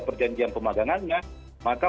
perjanjian pemagangannya maka